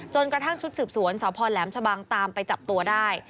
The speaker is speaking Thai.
กระทั่งชุดสืบสวนสพแหลมชะบังตามไปจับตัวได้